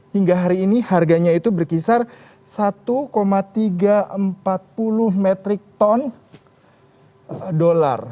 hingga hari ini harganya itu berkisar satu tiga ratus empat puluh metrik ton dolar